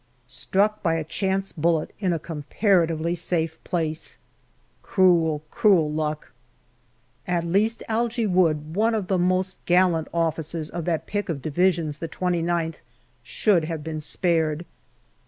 Struck by a chance bullet in a comparatively safe place ! Cruel, cruel luck ! At least Algy Wood, one of the most gallant officers of that pick of Divisions the 2Qth should have been spared.